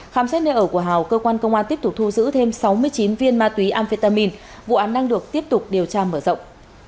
khám xét nơi ở của hào cơ quan công an tiếp tục thu giữ thêm sáu mươi chín viên ma túy amphetamine vụ án đang được tiếp tục điều tra mở rộng